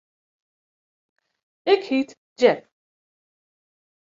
Ik hjit Jack.